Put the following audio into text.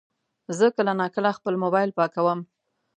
زه کله ناکله خپل موبایل پاکوم.